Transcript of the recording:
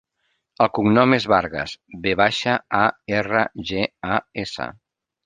El cognom és Vargas: ve baixa, a, erra, ge, a, essa.